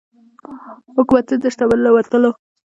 حکومتونه د شتمنو له وتلو سره مالي او انساني شتمني له لاسه ورکوي.